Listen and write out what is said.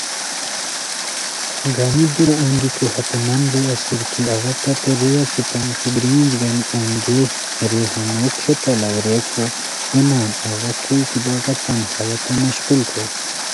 گانی دورا انگیکو ہتے نان رے اسور کی اوا تتے رے اسیتام کی گرینج گانی انگیئے رے ہمو کھیوت الاؤ ریکو اے نان اوا کوئے کی بعاتام ہیہ تہ مشقول کوئے